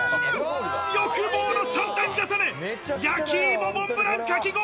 欲望の３段重ね、焼き芋モンブランかき氷。